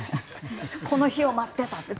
この日を待ってたって。